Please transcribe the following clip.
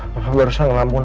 papa barusan ngelamun